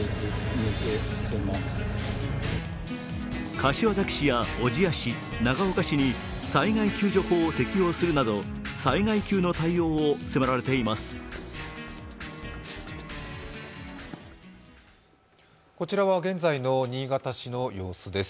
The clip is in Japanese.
柏崎市や小千谷市、長岡市に災害救助法を適用するなど災害級の対応を迫られています。